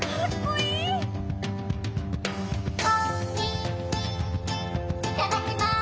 「いただきます」